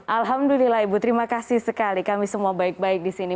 alhamdulillah ibu terima kasih sekali kami semua baik baik di sini